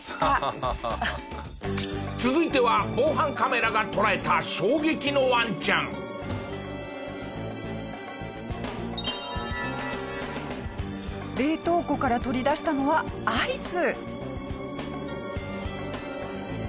続いては防犯カメラが捉えた冷凍庫から取り出したのはアイス。